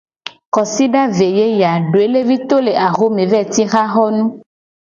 Kosida ve ye ya doelevi to le axome va yi ci haxonu.